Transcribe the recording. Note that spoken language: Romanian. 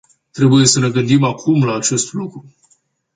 Trebuie să ne gândim acum la acest lucru.